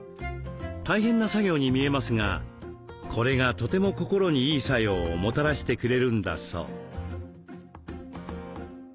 大変な作業に見えますがこれがとても心にいい作用をもたらしてくれるんだそう。